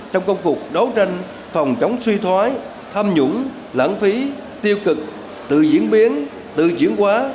trong công cuộc đấu tranh phòng chống suy thoái tham nhũng lãng phí tiêu cực tự diễn biến tự chuyển quá